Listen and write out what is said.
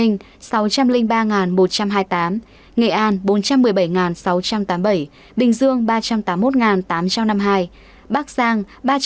nghệ an bốn trăm một mươi bảy sáu trăm tám mươi bảy bình dương ba trăm tám mươi một tám trăm năm mươi hai bắc giang ba trăm bảy mươi sáu năm trăm chín mươi sáu